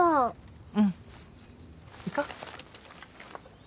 うん行こう。